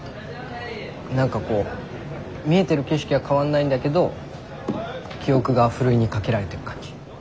何かこう見えてる景色は変わんないんだけど記憶がふるいにかけられてる感じ？